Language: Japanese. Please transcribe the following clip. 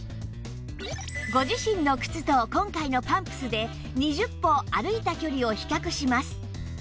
ご自身の靴と今回のパンプスで２０歩歩いた距離を比較します